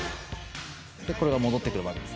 これが戻ってくるまで。